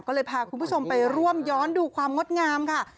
ก็เลยพาคุณผู้ชมไปร่วมย้อนดูความงดงามค่ะ